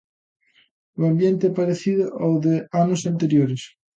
O ambiente é parecido ao de anos anteriores.